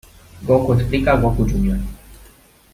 Gokū explica a Goku Jr.